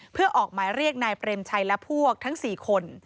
เพื่อออกหมายเรียกนายเปรมชัยและพวกทั้ง๔คน